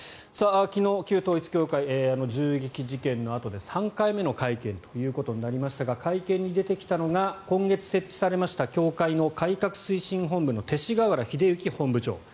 昨日、旧統一教会銃撃事件のあと３回目の会見となりましたが会見に出てきたのが今月設置されました教会の改革推進本部の勅使河原秀行本部長。